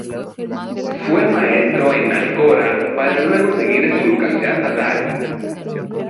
Fue maestro en Alcora para luego seguir en su localidad natal.